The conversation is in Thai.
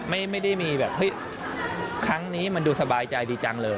ไม่ได้มีแบบเฮ้ยครั้งนี้มันดูสบายใจดีจังเลย